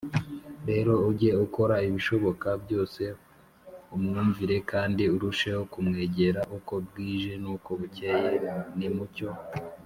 rero uge ukora ibishoboka byose umwumvire kandi urusheho kumwegera uko bwije n uko bukeye Nimucyo